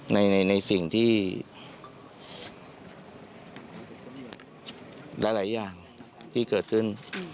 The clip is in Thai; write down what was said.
ในสิ่งที่หลายอย่างที่เกิดขึ้น